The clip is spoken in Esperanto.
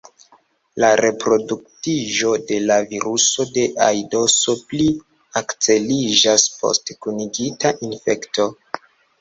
La reproduktiĝo de la viruso de aidoso pli akceliĝas post kunigita infekto.